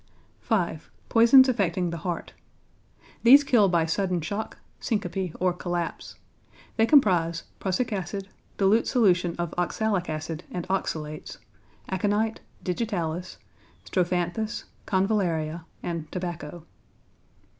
5. =Poisons Affecting the Heart.= These kill by sudden shock, syncope, or collapse. They comprise prussic acid, dilute solution of oxalic acid and oxalates, aconite, digitalis, strophanthus, convallaria, and tobacco.